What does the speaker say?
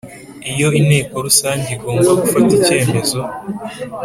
Iyo Inteko Rusange igomba gufata icyemezo